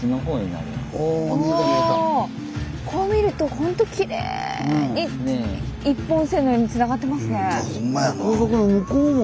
こう見るとほんときれいに一本線のようにつながってますね。